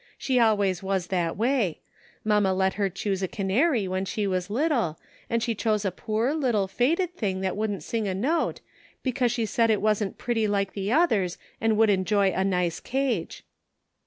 She always was that way. Mamma let her chcx>se a canary when she was little, and she diose a poor, little faded thing that wouldn't sing a note, because she said it wasn't pretty like the others and would enjoy a nice cage."